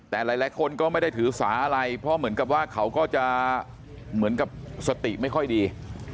แต่หลายคนก็ไม่ได้ถือสาอะไรเพราะเหมือนกับว่าเขาก็จะเหมือนกับสติไม่ค่อยดี